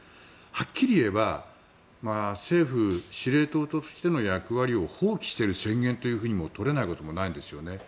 はっきり言えば政府が司令塔としての役割を放棄している宣言とも取れないこともないんですよね。